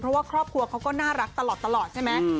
เพราะว่าครอบครัวเขาก็น่ารักตลอดใช่ไหม